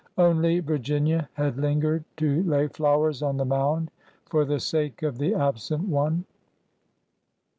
Only Virginia had lingered to lay flowers on the mound— for the sake of the absent one.